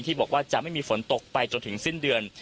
บอกว่าจะไม่มีฝนตกไปจนถึงสิ้นเดือน